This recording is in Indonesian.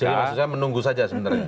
jadi maksudnya menunggu saja sebenarnya